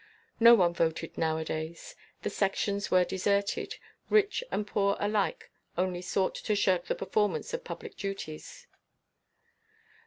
No one voted nowadays; the Sections were deserted; rich and poor alike only sought to shirk the performance of public duties.